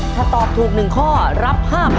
ถ้าตอบถูก๑ข้อรับ๕๐๐๐